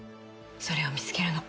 それを見つけるの。